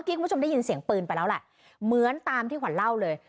คุณผู้ชมได้ยินเสียงปืนไปแล้วแหละเหมือนตามที่ขวัญเล่าเลย